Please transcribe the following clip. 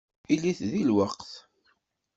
Ilit deg lweqt.